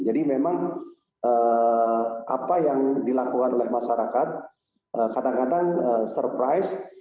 jadi memang apa yang dilakukan oleh masyarakat kadang kadang surprise